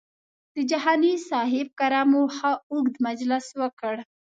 د جهاني صاحب کره مو ښه اوږد مجلس وکړ.